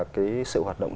cái sự hoạt động